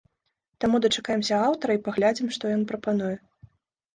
Таму дачакаемся аўтара і паглядзім, што ён прапануе.